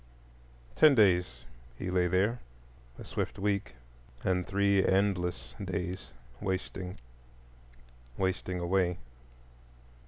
Ten days he lay there,—a swift week and three endless days, wasting, wasting away.